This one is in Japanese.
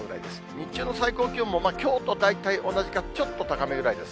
日中の最高気温もきょうと大体同じかちょっと高めぐらいです。